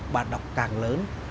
bản đọc càng lớn